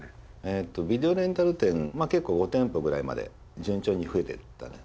ビデオレンタル店結構５店舗ぐらいまで順調に増えていったね。